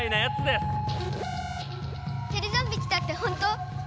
テレゾンビ来たって本当？